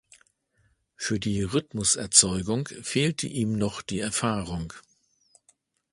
Für die Rhythmus-Erzeugung fehlte ihm noch die Erfahrung.